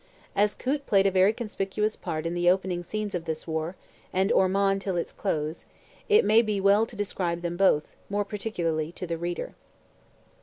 As Coote played a very conspicuous part in the opening scenes of this war, and Ormond till its close, it may be well to describe them both, more particularly, to the reader.